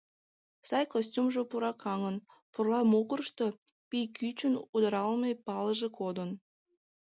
Сай костюмжо пуракаҥын, пурла могырышто пий кӱчын удыралме палыже кодын.